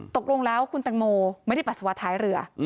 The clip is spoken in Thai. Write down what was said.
ตกลงแล้วคุณแตงโมไม่ได้ปัสสาวะท้ายเรือ